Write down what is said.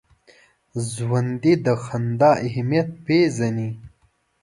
ژوندي د خندا اهمیت پېژني